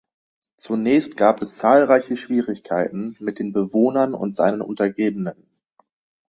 Zunächst gab es zahlreiche Schwierigkeiten mit den Bewohnern und seinen Untergebenen.